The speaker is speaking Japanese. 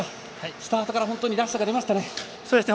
スタートから本当にらしさが出ましたね。